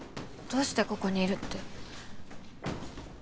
どうしてここにいるって。